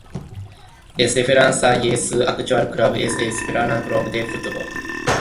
Es defensa y su actual club es el Paterna Club de Fútbol.